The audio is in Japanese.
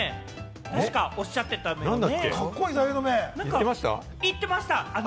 確かおっしゃってたよね？